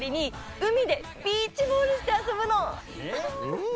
うん。